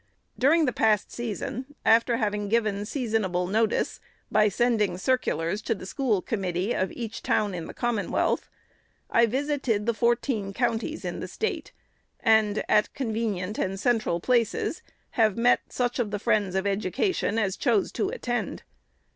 During the past season, after having given seasonable notice by sending circulars to the school committee of each town in the Commonwealth, I visited the fourteen counties in the State, and, at convenient and central places, have met such of the friends of Education as chose to attend.